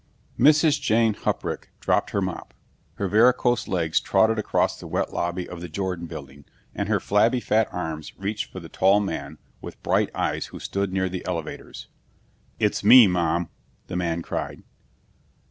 Mrs. Jane Huprich dropped her mop. Her varicose legs trotted across the wet lobby of the Jordon Building, and her flabby fat arms reached for the tall man with bright eyes who stood near the elevators. "It's me, Mom," the man cried.